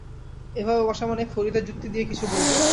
এভাবে বসা মানেই, ফরিদা যুক্তি দিয়ে কিছু বলবে।